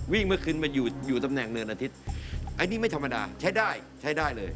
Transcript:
เมื่อคืนมาอยู่อยู่ตำแหน่งเนินอาทิตย์อันนี้ไม่ธรรมดาใช้ได้ใช้ได้เลย